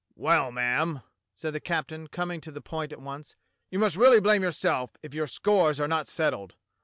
"Well, ma'am," said the captain, coming to the point at once, "you must really blame yourself if your scores are not settled.